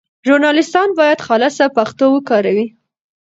ژورنالیستان باید خالصه پښتو وکاروي.